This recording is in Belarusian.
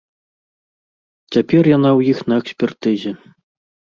Цяпер яна ў іх на экспертызе.